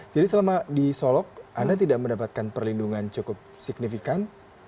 jadi selama di solok anda tidak mendapatkan perlindungan cukup signifikan